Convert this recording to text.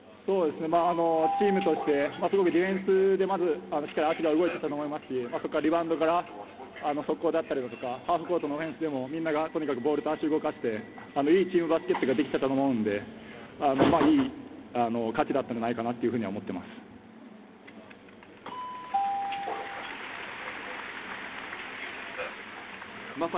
チームとしてすごくディフェンスでしっかりと足が動いていたと思いますしそこからリバウンドから速攻だったりハーフコートのオフェンスでもみんながとにかくボールと足を動かしていいチームバスケットができていたと思うのでいい勝ちだったんじゃないかなと思っています。